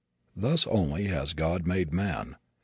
Thus only has God made man.